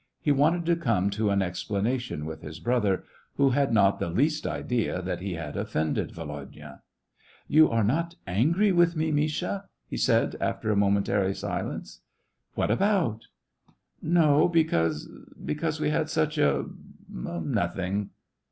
He wanted to come to an explanation with his brother, who had not the least idea that he had offended Volodya. "You are not angry with* me, Misha .>*" he said, after a momentary silence. " What about .?"" No, because — because we had such a — nothing."